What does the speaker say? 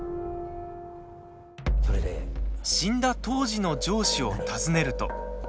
死んだ当時の上司を訪ねると。